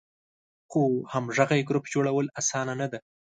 خو همغږی ګروپ جوړول آسانه نه ده.